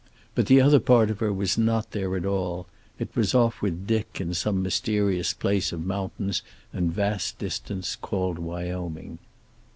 But the other part of her was not there at all. It was off with Dick in some mysterious place of mountains and vast distance called Wyoming.